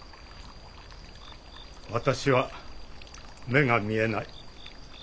私は目が見えない。